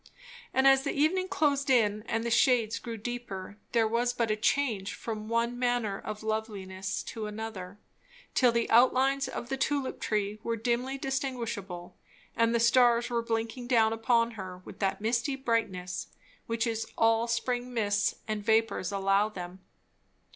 And as the evening closed in and the shades grew deeper, there was but a change from one manner of loveliness to another; till the outlines of the tulip tree were dimly distinguishable, and the stars were blinking down upon her with that misty brightness which is all spring mists and vapours allow them.